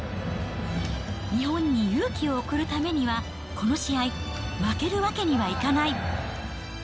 日本に勇気を送るためには、この試合、負けるわけにはいかない。